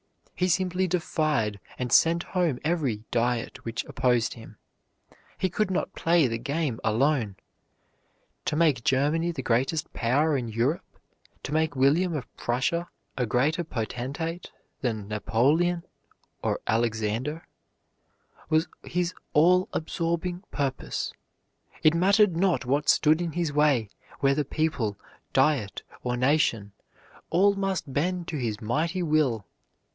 He simply defied and sent home every Diet which opposed him. He could play the game alone. To make Germany the greatest power in Europe, to make William of Prussia a greater potentate than Napoleon or Alexander, was his all absorbing purpose. It mattered not what stood in his way, whether people, Diet, or nation; all must bend to his mighty will.